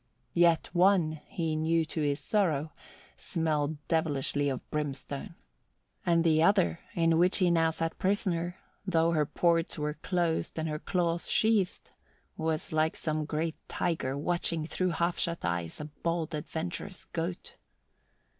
Yet one, he knew to his sorrow, smelled devilishly of brimstone; and the other, in which he now sat a prisoner, though her ports were closed and her claws sheathed, was like some great tiger watching through half shut eyes a bold, adventurous goat.